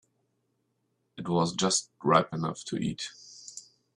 It was just ripe enough to eat.